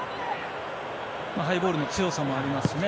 ハイボールへの強さもありますからね。